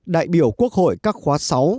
đại biểu quốc hội các khóa sáu tám chín